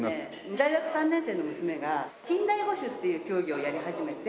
大学３年生の娘が近代五種っていう競技をやり始めて。